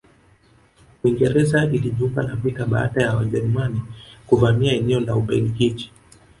Uingereza ilijiunga na vita baada ya Wajerumani kuvamia eneo la Ubelgiji